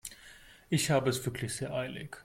Ich habe es wirklich sehr eilig.